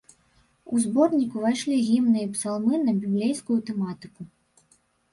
У зборнік увайшлі гімны і псалмы на біблейскую тэматыку.